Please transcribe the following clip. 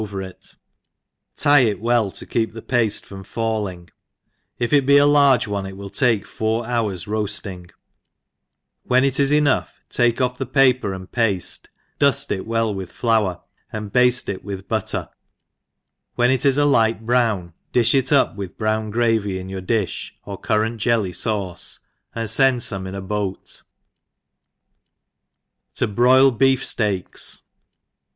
over it, tieit well toitcep the paile froth falling, if it be a large one it will take four hours roafjting ; when it is jsnougk cake off" the paper and pade, duft it well "with fidar, and bafte it with butter ; when it is a light brown, diih it up with brown gravy in your di(h, or currant jelly fauce> and fend iome in a boat. ToiroilBztF Steaks.